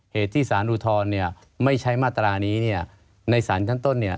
เหตุที่สารอุทธรณ์ไม่ใช้มาตรานี้ในศาลชั้นต้น